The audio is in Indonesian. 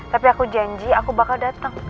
tapi aku janji aku bakal datang